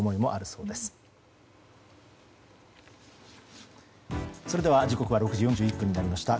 それでは時刻は６時４１分になりました。